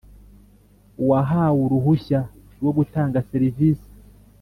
Uwahawe uruhushya rwo gutanga serivisi